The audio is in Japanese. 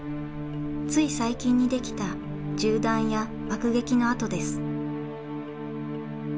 つい最近にできた銃弾や爆撃の痕です。